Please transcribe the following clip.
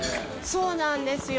そうなんですよ。